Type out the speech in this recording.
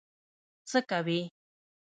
څه کوې؟